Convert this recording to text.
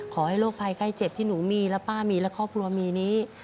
ขอให้โรคภัยไข้เจ็บที่หนูมีและป้ามีและครอบครัวมีนี้